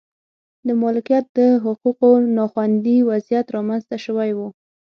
د مالکیت د حقونو نا خوندي وضعیت رامنځته شوی و.